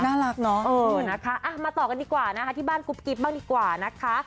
น่ารักเนอะเออนะคะมาต่อกันดีกว่านะคะที่บ้านกุ๊บกิ๊บบ้างดีกว่านะคะ